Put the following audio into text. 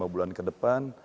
empat lima bulan ke depan